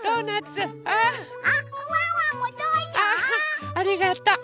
ありがとう。